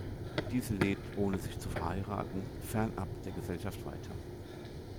Diese lebt, ohne sich zu verheiraten, fernab der Gesellschaft weiter.